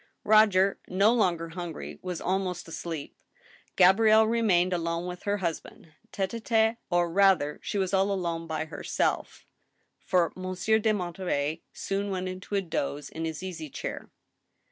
Roger, no longer hungry, was almost asleep, Gabrielle remained alone with her husband tite h tite, or rather she was all alone ,by herself, for Monsieur de Monterey soon went into a doze in his easy chair.